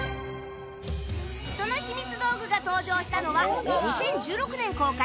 そのひみつ道具が登場したのは２０１６年公開